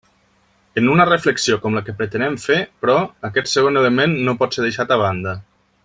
En una reflexió com la que pretenem fer, però, aquest segon element no pot ser deixat a banda.